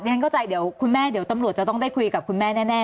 ฉันเข้าใจเดี๋ยวคุณแม่เดี๋ยวตำรวจจะต้องได้คุยกับคุณแม่แน่